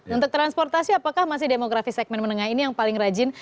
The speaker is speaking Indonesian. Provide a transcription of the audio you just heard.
untuk transportasi apakah masih demografi segmen menengah ini yang paling rajin